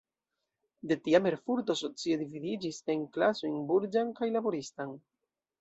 De tiam Erfurto socie dividiĝis en klasojn burĝan kaj laboristan.